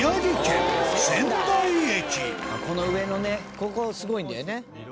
ここ、すごいんだよね。